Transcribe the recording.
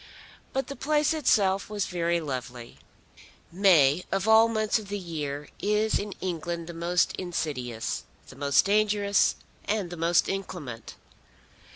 But the place itself was very lovely. May of all the months of the year is in England the most insidious, the most dangerous, and the most inclement.